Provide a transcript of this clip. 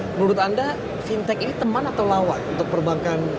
menurut anda fintech ini teman atau lawan untuk perbankan